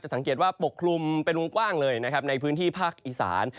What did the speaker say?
สังเกตว่าปกคลุมเป็นวงกว้างเลยนะครับในพื้นที่ภาคอีสาน